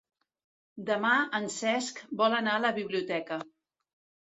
Demà en Cesc vol anar a la biblioteca.